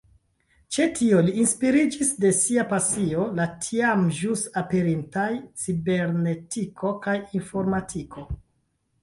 Ĉe tio li inspiriĝis de sia pasio, la tiam ĵus aperintaj cibernetiko kaj informatiko.